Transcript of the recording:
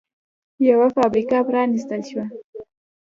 یوه فابریکه پرانېستل شوه